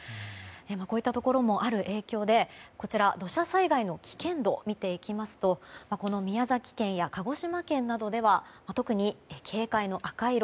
こういったところもある影響で土砂災害の危険度を見ていきますと宮崎県や鹿児島県などでは特に警戒の赤色